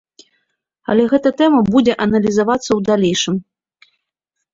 Але гэта тэма будзе аналізавацца ў далейшым.